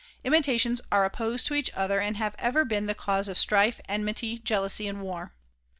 Imitations are opposed to each other and have ever been the cause of strife, enmity, jealousy and war.